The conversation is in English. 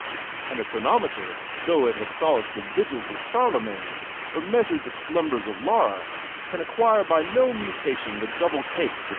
And a chron eter, though it had laced the vigili Charlemagne, <>r measure i the slumbers of I by no mutation the double cake that ch.